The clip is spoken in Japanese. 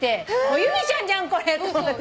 由美ちゃんじゃんこれと思って。